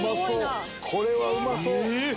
これはうまそう！